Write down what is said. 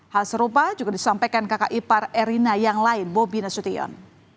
hal serupa juga disampaikan kakak ipar erina yang lain bobi nasution